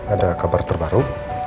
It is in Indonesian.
ada kabar terbaru